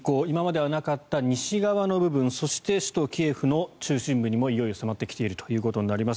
今まではなかった西側の部分そして、首都キエフの中心部にもいよいよ迫ってきているということです。